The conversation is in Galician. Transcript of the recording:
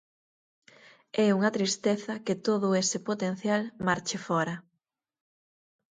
É unha tristeza que todo ese potencial marche fóra.